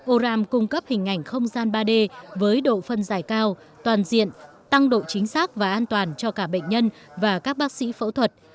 oram cung cấp hình ảnh không gian ba d với độ phân giải cao toàn diện tăng độ chính xác và an toàn cho cả bệnh nhân và các bác sĩ phẫu thuật